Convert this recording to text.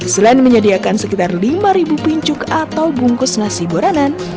selain menyediakan sekitar lima pincuk atau bungkus nasi boranan